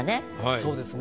そうですね。